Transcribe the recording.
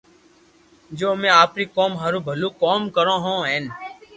جو امي آپري قوم ھارو ڀلو ڪوم ڪرو ھين